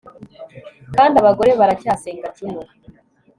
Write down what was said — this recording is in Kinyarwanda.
Kandi abagore baracyasenga Juno